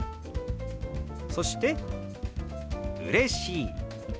そして「うれしい」。